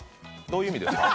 どういう意味ですか？